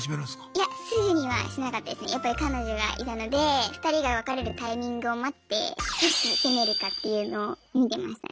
やっぱり彼女がいたので２人が別れるタイミングを待っていつ攻めるかっていうのを見てましたね。